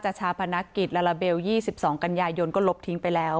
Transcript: ชาพนักกิจลาลาเบล๒๒กันยายนก็ลบทิ้งไปแล้ว